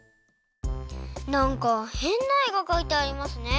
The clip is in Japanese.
なんかへんなえがかいてありますね。